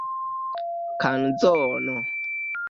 kanzono